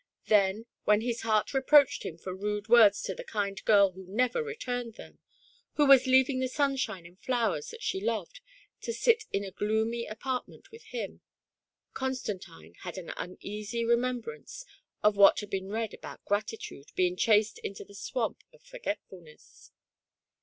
Then, when his heart reproached him for rude words to the kind girl who never returned them — who was leaving the sunshine and flowers that she loved, to sit in a gloomy apartment with him — Constantine had an uneasy remembrance of what had been read about Gratitude being chased into the swamp of Forgetftdness.